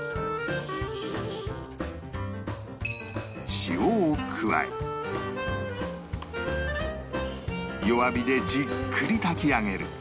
塩を加え弱火でじっくり炊き上げる